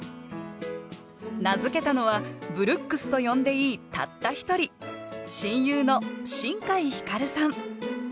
名付けたのは「ブルックス」と呼んでいいたった一人親友の新海光琉さん